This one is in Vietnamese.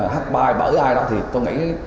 h ba bởi ai đó thì tôi nghĩ